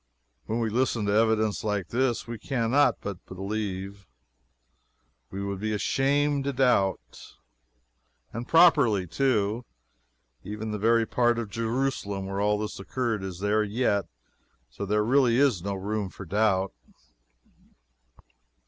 When we listen to evidence like this, we cannot but believe. We would be ashamed to doubt, and properly, too. Even the very part of Jerusalem where this all occurred is there yet. So there is really no room for doubt.